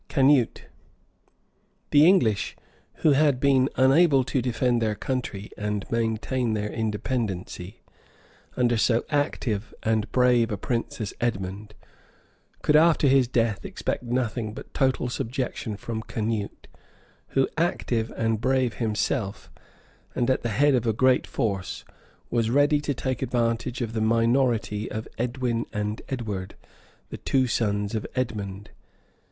CANUTE {1017.} The English, who had been unable to defend their country, and maintain their independency, under so active and brave a prince as Edmond, could after his death expect nothing but total subjection from Canute, who, active and brave himself, and at the head of a great force, was ready to take advantage of the minority of Edwin and Edward, the two sons of Edmond.